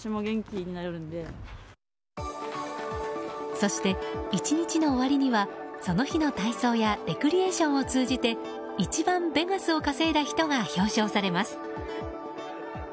そして、１日の終わりにはその日の体操やレクリエーションを通じて一番ベガスを稼いだ人が表彰されます。